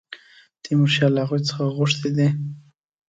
تیمورشاه له هغوی څخه غوښتي دي.